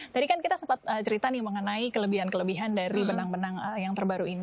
tadi kan kita sempat cerita nih mengenai kelebihan kelebihan dari benang benang yang terbaru ini